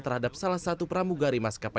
terhadap salah satu pramugari maskapai